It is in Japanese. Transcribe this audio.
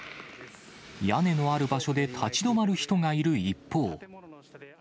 屋根のある場所で立ち止まる人がいる一方。